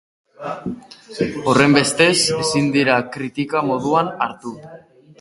Horrenbestez, ezin dira kritika moduan hartu.